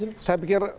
tidak saya pikir